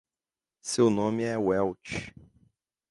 Seu nome é Welch.